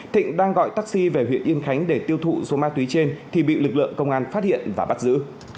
thịnh đang gọi taxi về huyện yên khánh để tiêu thụ số ma túy trên thì bị lực lượng công an phát hiện và bắt giữ